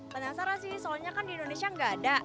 penasaran sih soalnya kan di indonesia nggak ada